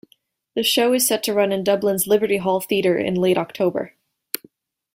The show is set to run in Dublin's Liberty Hall Theatre in late October.